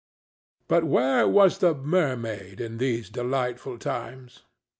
But where was the mermaid in those delightful times?